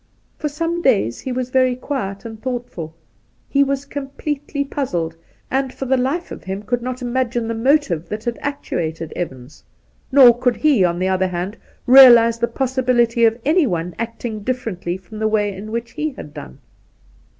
For some days he was very quiet and thoughtful ; he was completely puzzled, and for the life of him could not imagine the motive that had actuated Evans ; nor could he, on the other hand, realize the possibility of anyone acting differently from the way in which he had done.